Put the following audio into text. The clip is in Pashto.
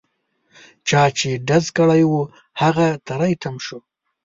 چا چې ډز کړی وو هغه تري تم شو.